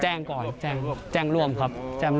แจ้งก่อนแจ้งร่วมครับ